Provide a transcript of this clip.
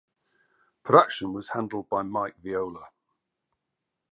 Production was handled by Mike Viola.